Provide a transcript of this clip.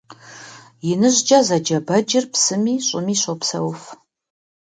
«ИныжькIэ» зэджэ бэджыр псыми щIыми щопсэуф.